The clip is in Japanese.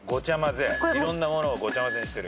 いろんなものをごちゃ混ぜにしてる。